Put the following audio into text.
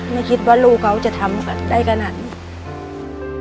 ไม่คิดว่าลูกเขาจะทำได้ขนาดนี้